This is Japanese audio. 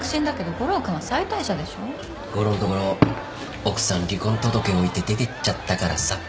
悟郎ん所奥さん離婚届置いて出てっちゃったからさ。